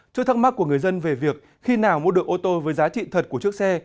trước thắc mắc của người dân về việc khi nào mua được ô tô với giá trị thật của chiếc xe